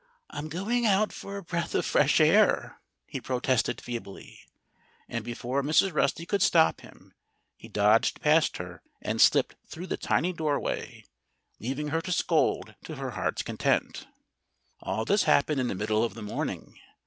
"I'm going out for a breath of fresh air," he protested feebly. And before Mrs. Rusty could stop him he dodged past her and slipped through the tiny doorway, leaving her to scold to her heart's content. All this happened in the middle of the morning.